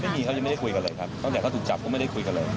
ไม่มีเขายังไม่ได้คุยกันเลยครับตั้งแต่เขาถูกจับก็ไม่ได้คุยกันเลย